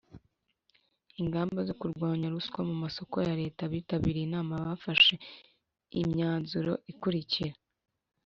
ingamba zo kurwanya ruswa mu masoko ya Leta abitabiriye inama bafashe imyanzuro ikurikira